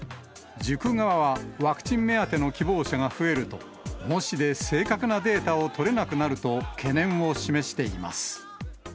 塾側は、ワクチン目当ての希望者が増えると、模試で正確なデータを取れなくなると、懸念を示しています。